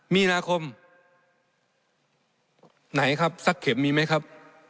มีนาคมไหนครับสักเข็มมีไหมครับ